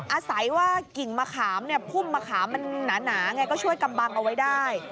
อาศัยว่ากิ่งมะขามเนี่ยพุ่มมะขามมันหนาไงก็ช่วยกำบังเอาไว้ได้